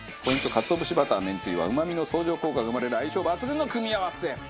鰹節バターめんつゆはうまみの相乗効果が生まれる相性抜群の組み合わせ。